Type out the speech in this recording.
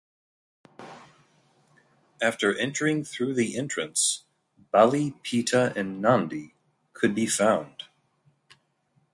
After entering through the entrance bali pita and nandhi could be found.